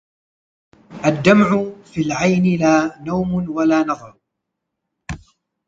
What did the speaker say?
الدمع في العين لا نوم ولا نظر